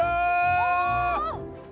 お！